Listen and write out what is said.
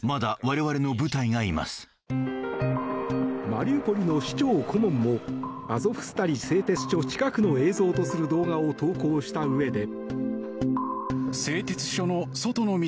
マリウポリの市長顧問もアゾフスタリ製鉄所近くの映像とする動画を投稿したうえで。